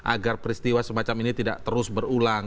agar peristiwa semacam ini tidak terus berulang